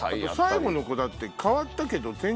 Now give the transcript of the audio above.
最後の子だって変わったけど。